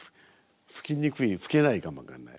吹きにくい吹けないかも分かんない。